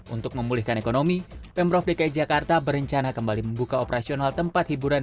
untuk memulihkan ekonomi pemprov dki jakarta berencana kembali membuka operasional tempat hiburan